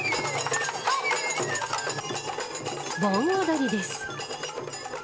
盆踊りです。